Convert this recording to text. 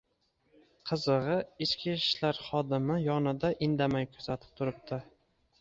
Qizigʻi, ichki ishlar xodimi yonida indamay kuzatib turibdi.